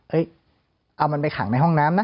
เอามันไปขังในห้องน้ำนะ